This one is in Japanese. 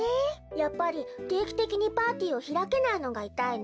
やっぱりていきてきにパーティーをひらけないのがいたいな。